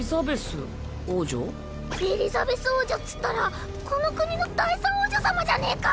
エリザベス王女っつったらこの国の第三王女様じゃねぇか！